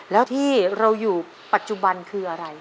แล้วที่เราอยู่ปัจจุบันคืออะไร